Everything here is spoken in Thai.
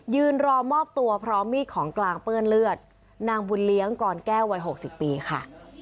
ยืนรอมอบตัวพร้อมมีดของกลางเปื้อนเลือดนางบุญเลี้ยงกรแก้ววัย๖๐ปีค่ะ